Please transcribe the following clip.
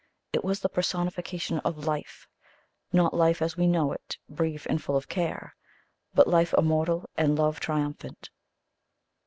It was the personification of Life not life as we know it, brief and full of care but Life Immortal and Love Triumphant.